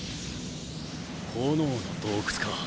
炎の洞窟か。